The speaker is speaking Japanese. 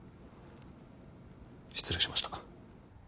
失礼しました。